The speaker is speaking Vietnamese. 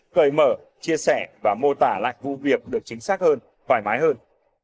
cởi mở chia sẻ và mô tả lại vụ việc được chính xác hơn thoải mái hơn